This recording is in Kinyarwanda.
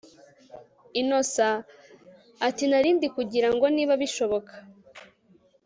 Innocent atinarindikugira ngo niba bishoboka